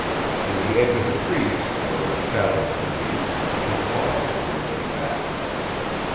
In the edge of the trees, where the shadows were deep, he paused and looked back.